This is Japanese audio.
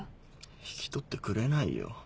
引き取ってくれないよ。